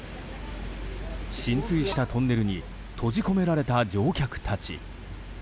浸水したトンネルに閉じ込められた乗客たち。